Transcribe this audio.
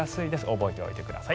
覚えておいてください。